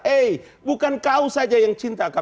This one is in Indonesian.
eh bukan kau saja yang cinta kpk itu